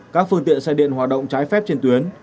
các phương tiện xe điện hoạt động trái phép trên tuyến